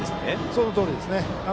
そのとおりです。